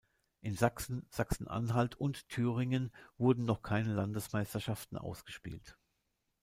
In Sachsen, Sachsen-Anhalt und Thüringen wurden noch keine Landesmeisterschaften ausgespielt.